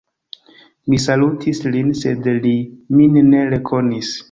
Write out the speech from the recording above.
Mi salutis lin, sed li min ne rekonis.